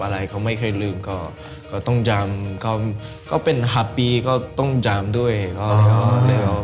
อะไรเขาไม่เคยลืมก็ต้องยามก็เป็น๕ปีก็ต้องยามด้วย